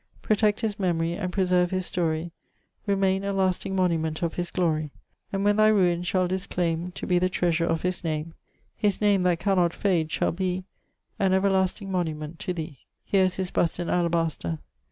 Protecte his mem'ry, and preserve his storie, Remaine a lasting monument of his glorye. And when thy ruines shall disclame To be the treas'rer of his name, His name, that cannot fade, shall bee An everlasting monument to thee. Here is his bust in alablaster.